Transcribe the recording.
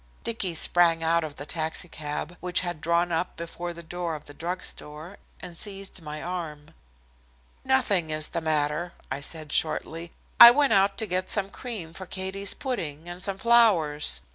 Dicky sprang out of the taxicab, which had drawn up before the door of the drug store, and seized my arm. "Nothing is the matter," I said shortly. "I went out to get some cream for Katie's pudding and some flowers.